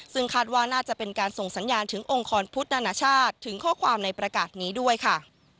ซึ่งคาดว่าน่าจะเป็นการส่งสัญญาณถึงองค์ครพุทธนานาชาติถึงข้อความในประกาศนี้ด้วยค่ะ